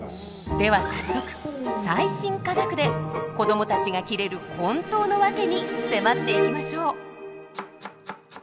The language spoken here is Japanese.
では早速最新科学で子どもたちがキレる本当のワケに迫っていきましょう。